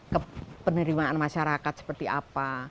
kepenerimaan masyarakat seperti apa